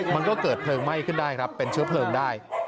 มันก็เกิดเพลิงไหม้ขึ้นได้ครับเป็นเชื้อเพลิงได้